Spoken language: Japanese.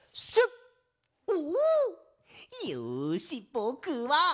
よしぼくは！